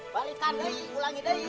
balikan dayi ulangi dayi